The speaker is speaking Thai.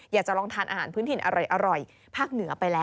อยากจะลองทานอาหารพื้นถิ่นอร่อยภาคเหนือไปแล้ว